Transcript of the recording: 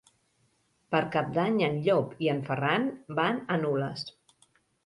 Per Cap d'Any en Llop i en Ferran van a Nules.